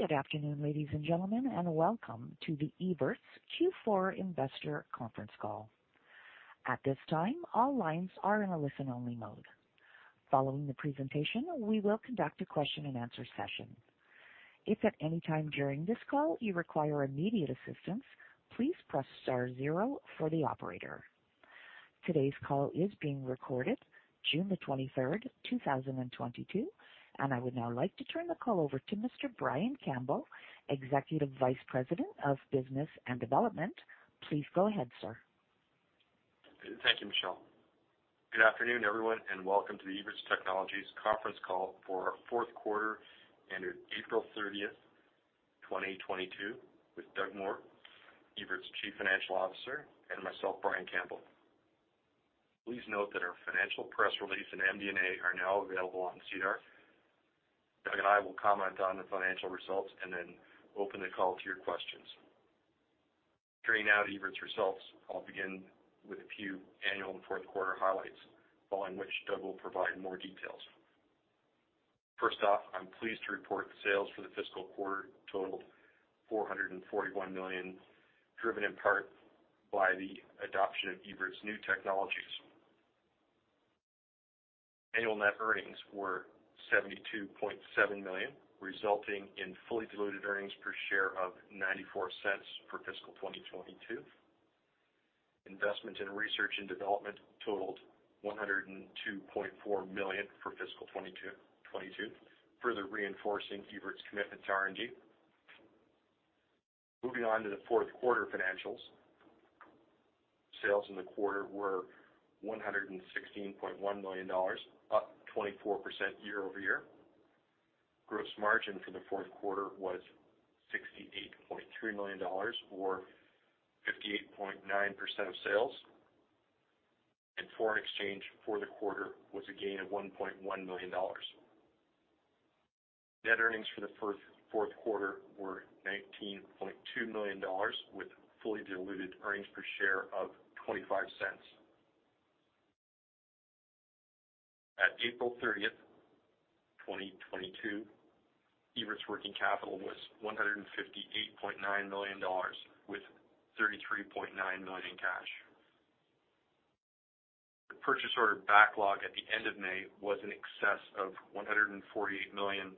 Good afternoon, ladies and gentlemen, and welcome to the Evertz Q4 investor conference call. At this time, all lines are in a listen-only mode. Following the presentation, we will conduct a question-and-answer session. If at any time during this call you require immediate assistance, please press star zero for the operator. Today's call is being recorded June 23, 2022, and I would now like to turn the call over to Mr. Brian Campbell, Executive Vice President of Business Development. Please go ahead, sir. Thank you, Michelle. Good afternoon, everyone, and welcome to the Evertz Technologies conference call for our fourth quarter ended April 30, 2022, with Doug Moore, Evertz Chief Financial Officer, and myself, Brian Campbell. Please note that our financial press release and MD&A are now available on SEDAR. Doug and I will comment on the financial results and then open the call to your questions. Beginning with Evertz results, I'll begin with a few annual and fourth quarter highlights, following which Doug will provide more details. First off, I'm pleased to report sales for the fiscal quarter totaled CAD 441 million, driven in part by the adoption of Evertz new technologies. Annual net earnings were 72.7 million, resulting in fully diluted earnings per share of 0.94 for fiscal 2022. Investment in research and development totaled 102.4 million for fiscal 2022, further reinforcing Evertz commitments to R&D. Moving on to the fourth quarter financials. Sales in the quarter were 116.1 million dollars, up 24% year-over-year. Gross margin for the fourth quarter was 68.3 million dollars or 58.9% of sales, and foreign exchange for the quarter was a gain of 1.1 million dollars. Net earnings for the fourth quarter were 19.2 million dollars, with fully diluted earnings per share of 0.25. At April 30, 2022, Evertz working capital was 158.9 million dollars, with 33.9 million in cash. The purchase order backlog at the end of May was in excess of 148 million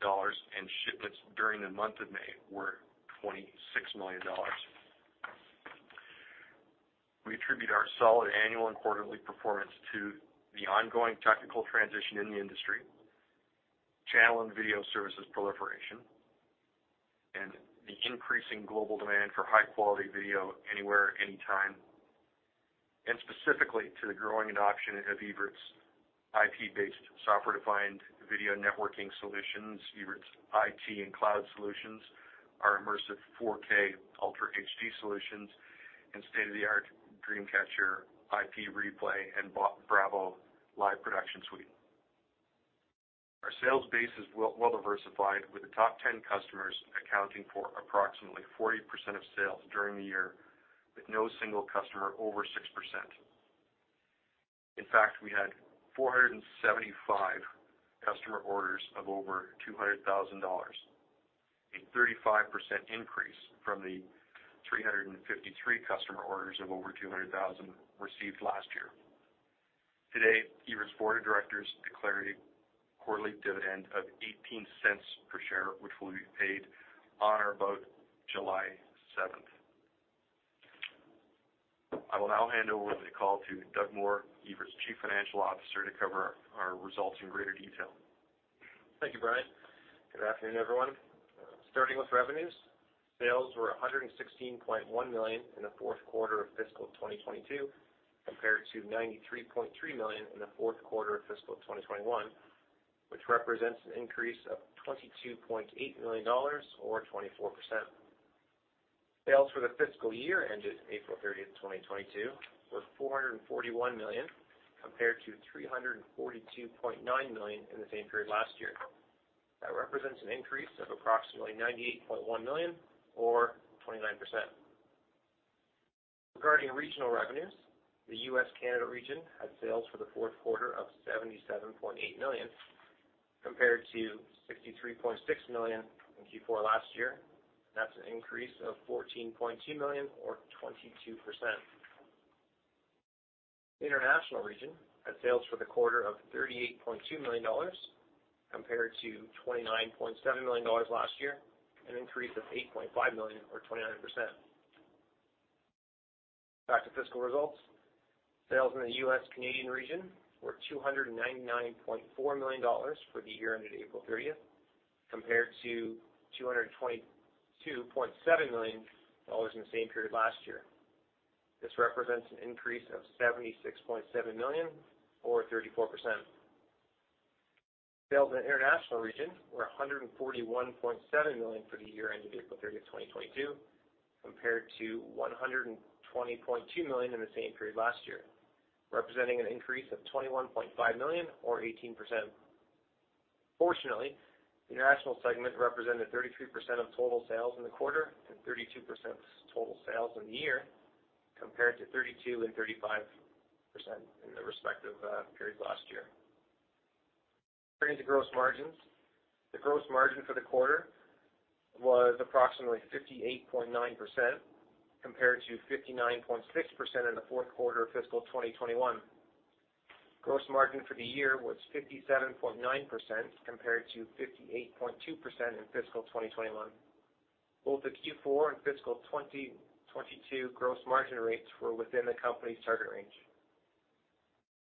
dollars, and shipments during the month of May were 26 million dollars. We attribute our solid annual and quarterly performance to the ongoing technical transition in the industry, channel and video services proliferation, and the increasing global demand for high-quality video anywhere, anytime, and specifically to the growing adoption of Evertz IP-based software-defined video networking solutions, Evertz IT and cloud solutions, our immersive 4K Ultra HD solutions, and state-of-the-art DreamCatcher BRAVO live production suite. Our sales base is well diversified, with the top 10 customers accounting for approximately 40% of sales during the year, with no single customer over 6%. In fact, we had 475 customer orders of over 200,000 dollars, a 35% increase from the 353 customer orders of over 200,000 received last year. Today, Evertz board of directors declared a quarterly dividend of 0.18 per share, which will be paid on or about July 7th. I will now hand over the call to Doug Moore, Evertz Chief Financial Officer, to cover our results in greater detail. Thank you, Brian. Good afternoon, everyone. Starting with revenues. Sales were 116.1 million in the fourth quarter of fiscal 2022 compared to 93.3 million in the fourth quarter of fiscal 2021, which represents an increase of 22.8 million dollars or 24%. Sales for the fiscal year ended April 30th, 2022 were 441 million, compared to 342.9 million in the same period last year. That represents an increase of approximately 98.1 million or 29%. Regarding regional revenues, the U.S.-Canada region had sales for the fourth quarter of 77.8 million, compared to 63.6 million in Q4 last year. That's an increase of 14.2 million or 22%. International region had sales for the quarter of 38.2 million dollars compared to 29.7 million dollars last year, an increase of 8.5 million or 29%. Back to fiscal results. Sales in the U.S.-Canadian region were 299.4 million dollars for the year ended April 30 compared to CAD 222.7 million in the same period last year. This represents an increase of 76.7 million or 34%. Sales in the international region were 141.7 million for the year ended April 30, 2022, compared to 120.2 million in the same period last year, representing an increase of 21.5 million or 18%. Fortunately, the international segment represented 33% of total sales in the quarter and 32% of total sales in the year, compared to 32% and 35% in the respective period last year. Turning to gross margins. The gross margin for the quarter was approximately 58.9% compared to 59.6% in the fourth quarter of fiscal 2021. Gross margin for the year was 57.9% compared to 58.2% in fiscal 2021. Both the Q4 and fiscal 2022 gross margin rates were within the company's target range.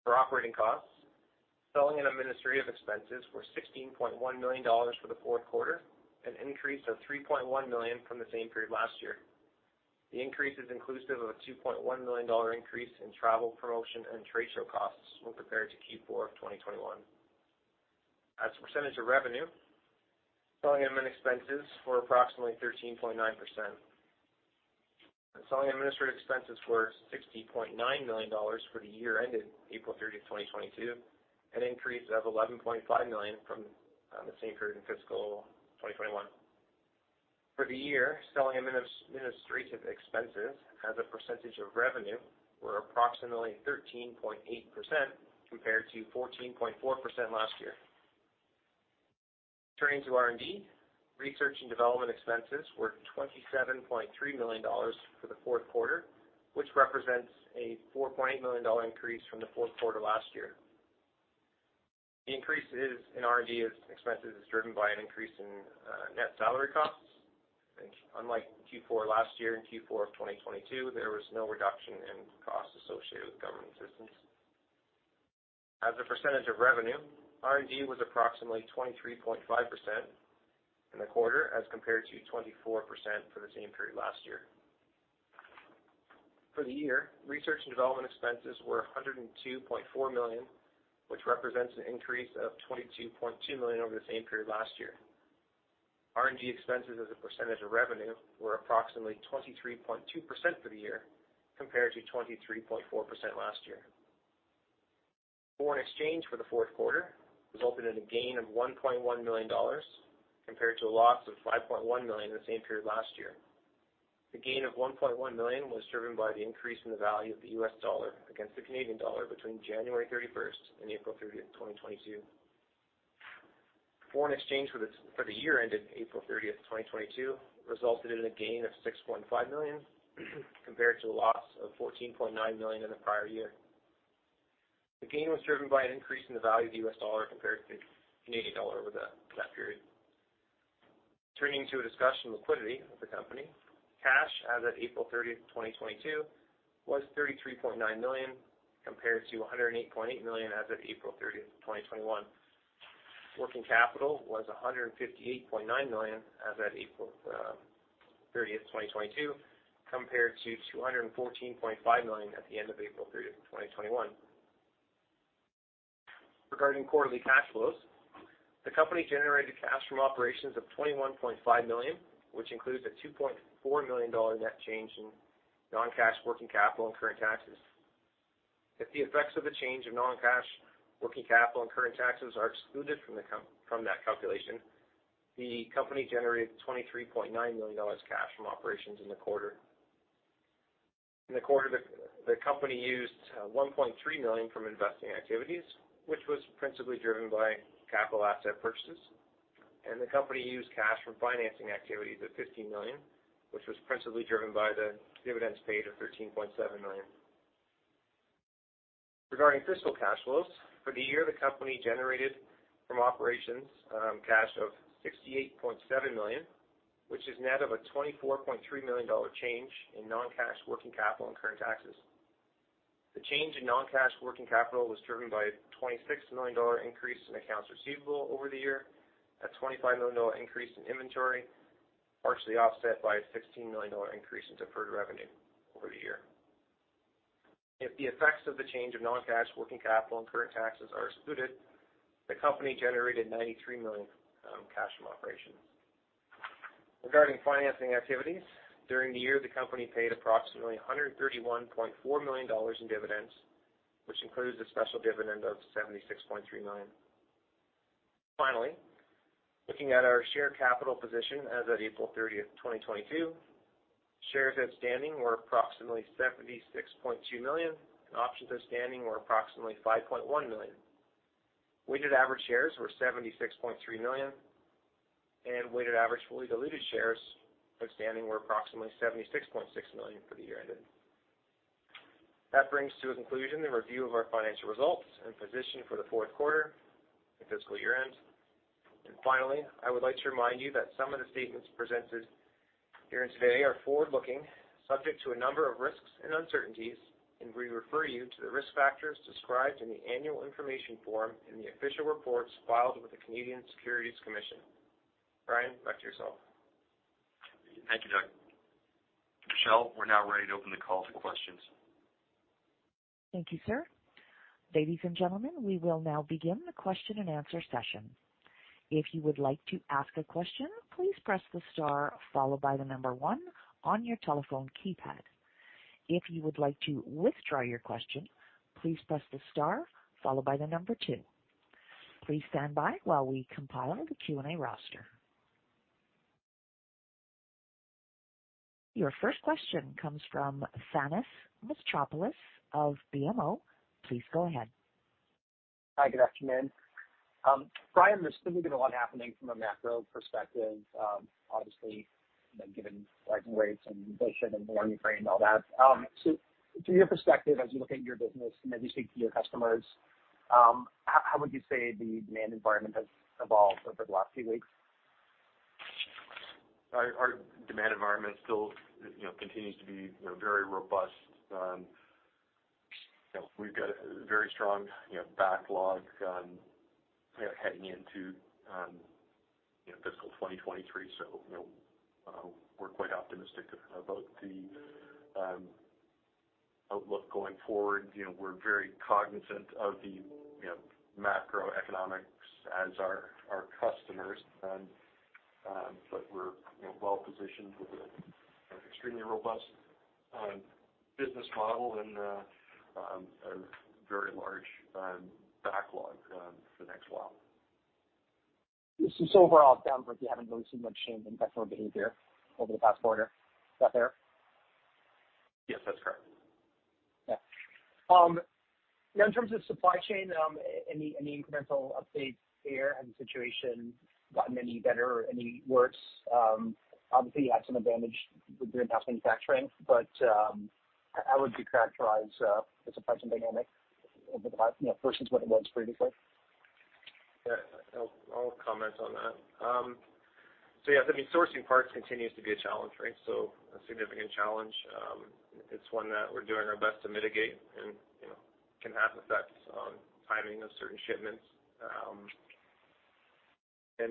For operating costs, selling and administrative expenses were 16.1 million dollars for the fourth quarter, an increase of 3.1 million from the same period last year. The increase is inclusive of a 2.1 million dollar increase in travel, promotion, and trade show costs when compared to Q4 of 2021. As a percentage of revenue, selling admin expenses were approximately 13.9%. Selling administrative expenses were 60.9 million dollars for the year ended April 30, 2022, an increase of 11.5 million from the same period in fiscal 2021. For the year, selling administrative expenses as a percentage of revenue were approximately 13.8% compared to 14.4% last year. Turning to R&D. Research and development expenses were 27.3 million dollars for the fourth quarter, which represents a 4.8 million dollar increase from the fourth quarter last year. The increase in R&D expenses is driven by an increase in net salary costs. Unlike in Q4 last year, in Q4 of 2022, there was no reduction in costs associated with government assistance. As a percentage of revenue, R&D was approximately 23.5% in the quarter as compared to 24% for the same period last year. For the year, research and development expenses were 102.4 million, which represents an increase of 22.2 million over the same period last year. R&D expenses as a percentage of revenue were approximately 23.2% for the year, compared to 23.4% last year. Foreign exchange for the fourth quarter resulted in a gain of 1.1 million dollars compared to a loss of 5.1 million in the same period last year. The gain of 1.1 million was driven by the increase in the value of the U.S. dollar against the Canadian dollar between January 31st and April 30th, 2022. Foreign exchange for the year ended April 30th, 2022, resulted in a gain of 6.5 million compared to a loss of 14.9 million in the prior year. The gain was driven by an increase in the value of the U.S. dollar compared to Canadian dollar over that period. Turning to a discussion of liquidity of the company. Cash as of April 30th, 2022, was 33.9 million, compared to 108.8 million as of April 30th, 2021. Working capital was 158.9 million as of April 30, 2022, compared to 214.5 million at the end of April 30, 2021. Regarding quarterly cash flows, the company generated cash from operations of 21.5 million, which includes a 2.4 million dollar net change in non-cash working capital and current taxes. If the effects of the change of non-cash working capital and current taxes are excluded from that calculation, the company generated 23.9 million dollars cash from operations in the quarter. In the quarter, the company used 1.3 million from investing activities, which was principally driven by capital asset purchases. The company used cash from financing activities of 15 million, which was principally driven by the dividends paid of 13.7 million. Regarding fiscal cash flows, for the year, the company generated from operations cash of 68.7 million, which is net of a 24.3 million dollar change in non-cash working capital and current taxes. The change in non-cash working capital was driven by a 26 million dollar increase in accounts receivable over the year. A 25 million dollar increase in inventory, partially offset by a 16 million dollar increase in deferred revenue over the year. If the effects of the change of non-cash working capital and current taxes are excluded, the company generated 93 million cash from operations. Regarding financing activities, during the year, the company paid approximately 131.4 million dollars in dividends, which includes a special dividend of 76.3 million. Finally, looking at our share capital position as of April 30, 2022, shares outstanding were approximately 76.2 million, and options outstanding were approximately 5.1 million. Weighted average shares were 76.3 million, and weighted average fully diluted shares outstanding were approximately 76.6 million for the year ended. That brings to a conclusion the review of our financial results and position for the fourth quarter and fiscal year ends. Finally, I would like to remind you that some of the statements presented herein today are forward-looking, subject to a number of risks and uncertainties, and we refer you to the risk factors described in the annual information form in the official reports filed with the Canadian Securities Administrators. Brian, back to yourself. Thank you, Doug. Michelle, we're now ready to open the call to questions. Thank you, sir. Ladies and gentlemen, we will now begin the question and answer session. If you would like to ask a question, please press the star followed by the number one on your telephone keypad. If you would like to withdraw your question, please press the star followed by the number two. Please stand by while we compile the Q&A roster. Your first question comes from Thanos Moschopoulos of BMO. Please go ahead. Hi, good afternoon. Brian, there's certainly been a lot happening from a macro perspective, obviously given rising rates and inflation and the war in Ukraine and all that. From your perspective, as you look at your business and as you speak to your customers, how would you say the demand environment has evolved over the last few weeks? Our demand environment still, you know, continues to be, you know, very robust. You know, we've got a very strong, you know, backlog, you know, heading into, you know, fiscal 2023. You know, we're quite optimistic about the outlook going forward. You know, we're very cognizant of the, you know, macroeconomics as are our customers. But we're, you know, well positioned with an extremely robust business model and a very large backlog for the next while. Overall, it sounds like you haven't really seen much change in customer behavior over the past quarter. Is that fair? Yes, that's correct. Yeah. Now in terms of supply chain, any incremental updates there? Has the situation gotten any better or any worse? Obviously you had some advantage with your in-house manufacturing, but how would you characterize the supply chain dynamic over the last, you know, versus what it was previously? Yeah, I'll comment on that. Yeah, I mean, sourcing parts continues to be a challenge, right? A significant challenge. It's one that we're doing our best to mitigate and, you know, can have effects on timing of certain shipments.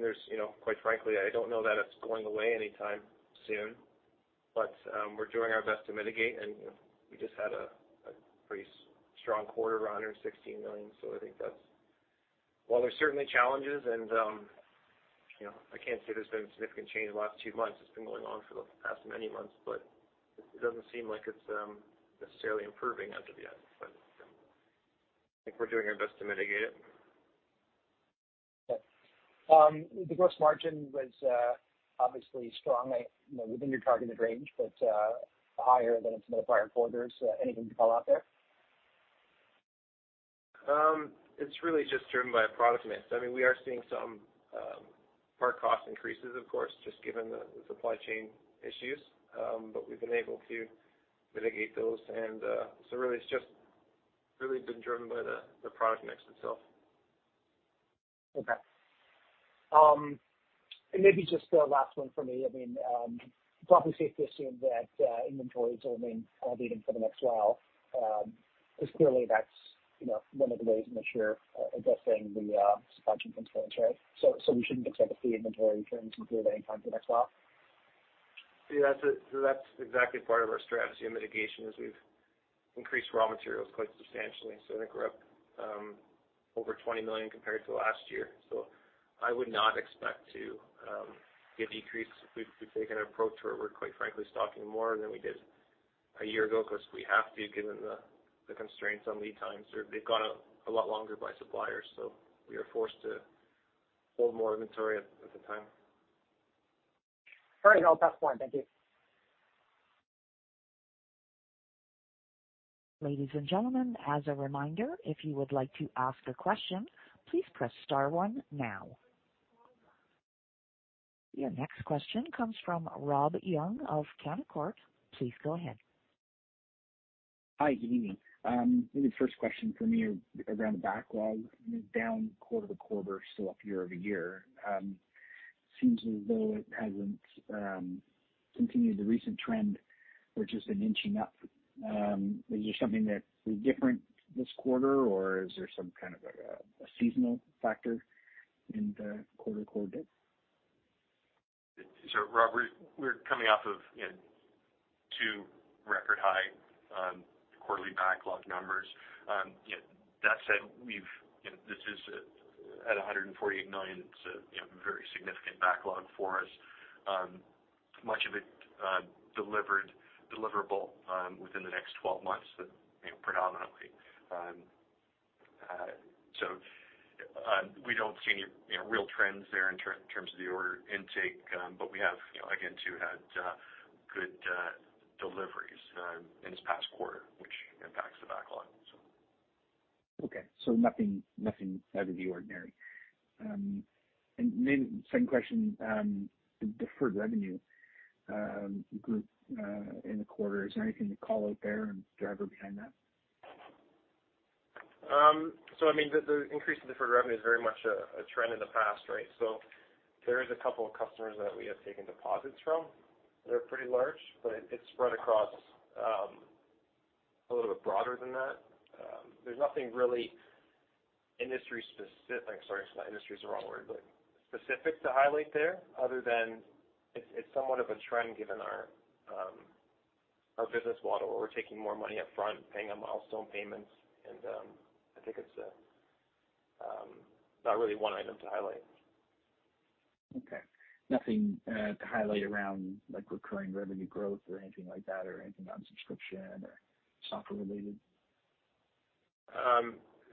There's, you know, quite frankly, I don't know that it's going away anytime soon, but we're doing our best to mitigate. You know, we just had a pretty strong quarter, around 60 million. I think that's. While there's certainly challenges and, you know, I can't say there's been a significant change in the last two months, it's been going on for the past many months, but it doesn't seem like it's necessarily improving as of yet. I think we're doing our best to mitigate it. Okay. The gross margin was obviously strong, you know, within your targeted range, but higher than some of the prior quarters. Anything to call out there? It's really just driven by a product mix. I mean, we are seeing some part cost increases, of course, just given the supply chain issues. We've been able to mitigate those. Really it's just really been driven by the product mix itself. Okay. Maybe just a last one for me. I mean, it's probably safe to assume that inventories will remain elevated for the next while, because clearly that's, you know, one of the ways in which you're addressing the supply chain constraints, right? We shouldn't expect to see inventory trends improve any time for the next while? Yeah, that's exactly part of our strategy and mitigation, is we've increased raw materials quite substantially. I think we're up over 20 million compared to last year. I would not expect to see a decrease. We've taken an approach where we're quite frankly stocking more than we did a year ago because we have to, given the constraints on lead times. They've gone a lot longer by suppliers, so we are forced to hold more inventory at the time. All right. I'll pause for now. Thank you. Ladies and gentlemen, as a reminder, if you would like to ask a question, please press star one now. Your next question comes from Rob Young of Canaccord. Please go ahead. Hi, good evening. Maybe first question for me around the backlog down quarter-over-quarter, still up year-over-year. Seems as though it hasn't continued the recent trend, which has been inching up. Is there something that was different this quarter, or is there some kind of a seasonal factor in the quarter-over-quarter dip? Rob, we're coming off of 2 record-high quarterly backlog numbers. You know, that said, we've you know this is at 148 million, it's a you know very significant backlog for us. Much of it deliverable within the next 12 months, you know, predominantly. We don't see any you know real trends there in terms of the order intake. We have you know again we had good deliveries in this past quarter, which impacts the backlog. Okay. Nothing out of the ordinary. Maybe second question, the deferred revenue growth in the quarter, is there anything to call out there, and any driver behind that? I mean, the increase in deferred revenue is very much a trend in the past, right? There is a couple of customers that we have taken deposits from that are pretty large, but it's spread across a little bit broader than that. There's nothing really industry specific. Sorry, industry is the wrong word, but specific to highlight there other than it's somewhat of a trend given our business model, where we're taking more money up front and paying on milestone payments. I think it's not really one item to highlight. Okay. Nothing to highlight around, like recurring revenue growth or anything like that or anything on subscription or software related?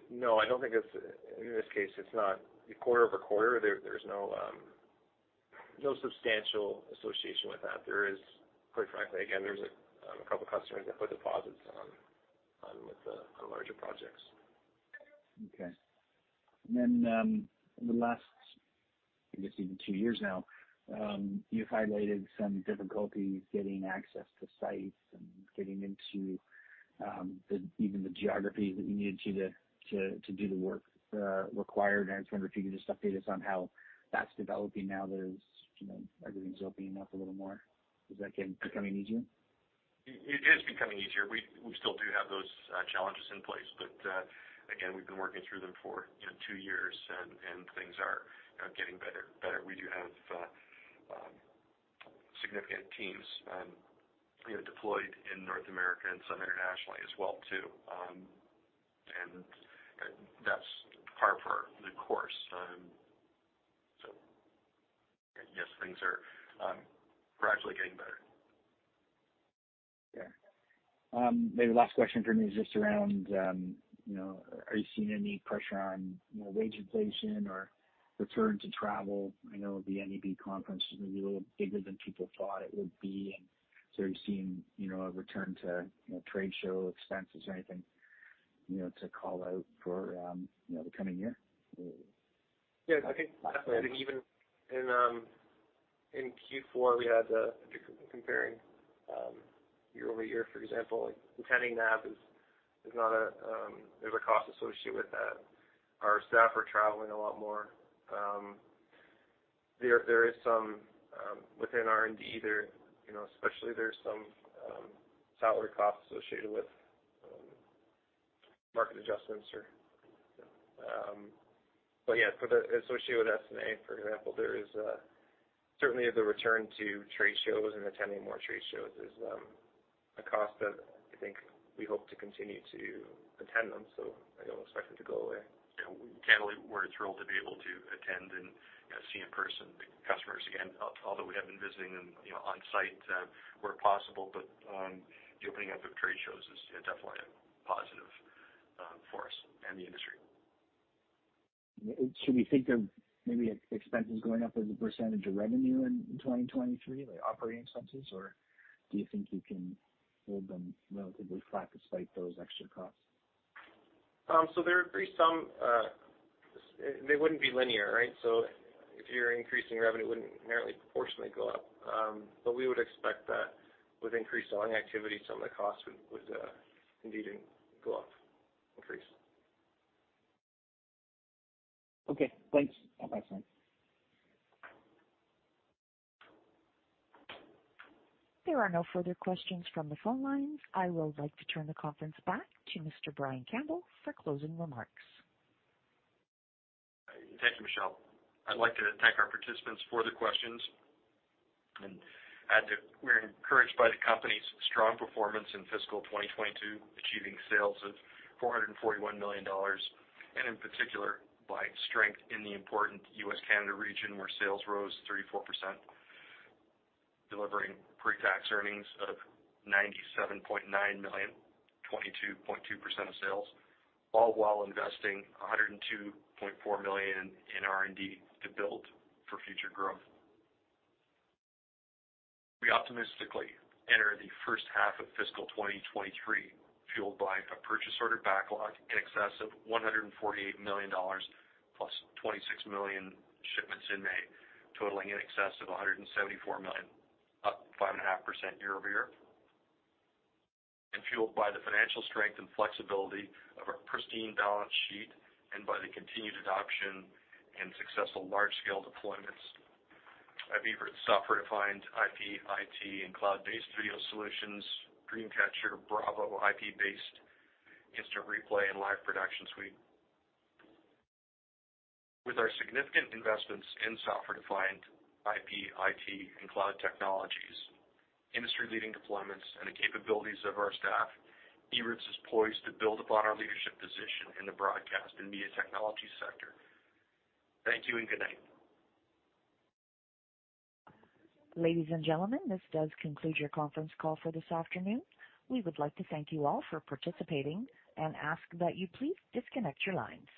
No. In this case, it's not quarter-over-quarter. There's no substantial association with that. There is, quite frankly, again, a couple customers that put deposits on with the larger projects. Okay. In the last, I guess even two years now, you've highlighted some difficulties getting access to sites and getting into even the geographies that you needed to do the work required. I was wondering if you could just update us on how that's developing now that it's, you know, everything's opening up a little more. Is that becoming easier? It is becoming easier. We still do have those challenges in place, but again, we've been working through them for, you know, two years and things are getting better. We do have significant teams, you know, deployed in North America and some internationally as well too. That's par for the course. Yes, things are gradually getting better. Yeah. Maybe the last question from me is just around, you know, are you seeing any pressure on, you know, wage inflation or return to travel? I know the NAB conference may be a little bigger than people thought it would be. Are you seeing, you know, a return to, you know, trade show expenses or anything, you know, to call out for, you know, the coming year? Yeah, I think even in Q4, comparing year-over-year, for example, attending NAB. There's a cost associated with that. Our staff are traveling a lot more. There is some within R&D, you know, especially some salary costs associated with market adjustments or. Yeah, associated with S&A, for example, there is certainly the return to trade shows and attending more trade shows is a cost that I think we hope to continue to attend them, so I don't expect it to go away. Yeah, we can't wait. We're thrilled to be able to attend and, you know, see in person the customers again, although we have been visiting them, you know, on site, where possible. The opening up of trade shows is, you know, definitely a positive for us and the industry. Should we think of maybe expenses going up as a percentage of revenue in 2023, like operating expenses? Or do you think you can hold them relatively flat despite those extra costs? They wouldn't be linear, right? If you're increasing revenue, it wouldn't narrowly proportionately go up. We would expect that with increased selling activity, some of the costs would indeed go up, increase. Okay, thanks. Have a nice night. There are no further questions from the phone lines. I would like to turn the conference back to Mr. Brian Campbell for closing remarks. Thank you, Michelle. I'd like to thank our participants for the questions and add that we're encouraged by the company's strong performance in fiscal 2022, achieving sales of 441 million dollars, and in particular by strength in the important U.S.-Canada region, where sales rose 34%, delivering pre-tax earnings of 97.9 million, 22.2% of sales, all while investing 102.4 million in R&D to build for future growth. We optimistically enter the first half of fiscal 2023, fueled by a purchase order backlog in excess of 148 million dollars, plus 26 million shipments in May, totaling in excess of 174 million, up 5.5% year-over-year. Fueled by the financial strength and flexibility of our pristine balance sheet and by the continued adoption and successful large scale deployments of Evertz software-defined IP, IT, and cloud-based video solutions, DreamCatcher BRAVO IP-based instant replay and live production suite. With our significant investments in software-defined IP, IT, and cloud technologies, industry-leading deployments, and the capabilities of our staff, Evertz is poised to build upon our leadership position in the broadcast and media technology sector. Thank you and good night. Ladies and gentlemen, this does conclude your conference call for this afternoon. We would like to thank you all for participating and ask that you please disconnect your lines.